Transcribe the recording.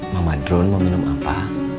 mama drone mau minum apa